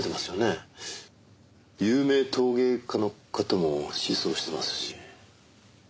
有名陶芸家の方も失踪してますし。